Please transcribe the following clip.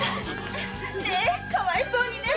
⁉かわいそうにね！